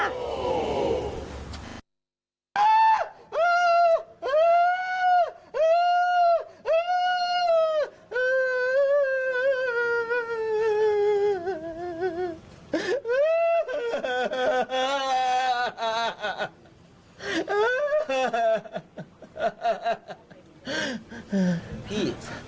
พี่